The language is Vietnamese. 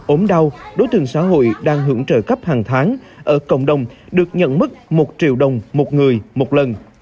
ốm đau đối tượng xã hội đang hưởng trợ cấp hàng tháng ở cộng đồng được nhận mức một triệu đồng một người một lần